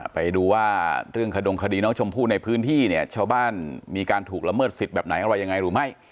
ไปดูว่าเรื่องขดงคดีน้องชมพู่ในพื้นที่เนี่ยชาวบ้านมีการถูกละเมิดสิทธิ์แบบไหนอะไรยังไงหรือไม่